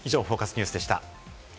ニュースでした。